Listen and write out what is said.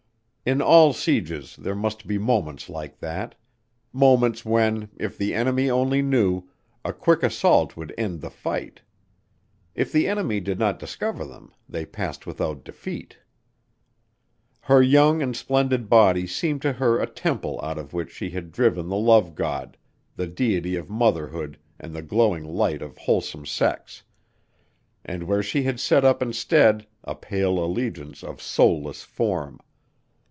In all sieges there must be moments like that: moments when, if the enemy only knew, a quick assault would end the fight. If the enemy did not discover them, they passed without defeat. Her young and splendid body seemed to her a temple out of which she had driven the love god, the deity of motherhood and the glowing lights of wholesome sex ... and where she had set up instead a pale allegiance of soulless form.